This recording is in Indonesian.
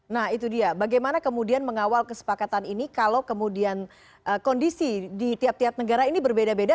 nah itu dia bagaimana kemudian mengawal kesepakatan ini kalau kemudian kondisi di tiap tiap negara ini berbeda beda